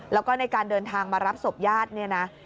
แล้วก็ในการเดินทางมารับศพญาติ